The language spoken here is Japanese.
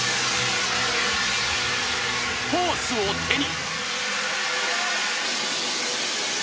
［ホースを手に］